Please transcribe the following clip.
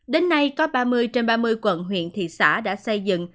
đến nay có ba mươi trên ba mươi quận huyện thị xã đã xây dựng